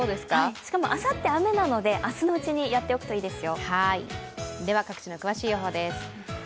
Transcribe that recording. しかも、あさって雨なので明日のうちにやっておくといいですよ。